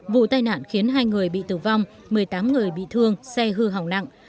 vụ tai nạn khiến hai người bị tử vong một mươi tám người bị thương xe hư hỏng nặng